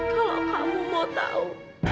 kalau kamu mau tahu